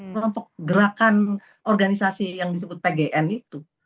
kelompok gerakan organisasi yang disebut pgn itu